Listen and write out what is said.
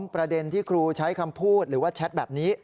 ประเด็นที่ครูใช้คำพูดหรือว่าแชทแบบนี้